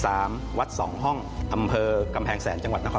วัดสองห้องอำเภอกำแพงแสนจังหวัดนคร